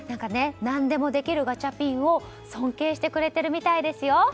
何でもできるガチャピンを尊敬してくれてるみたいですよ。